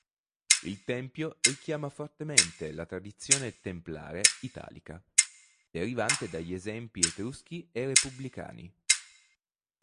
Il tempio richiama fortemente la tradizione templare italica, derivante dagli esempi etruschi e repubblicani.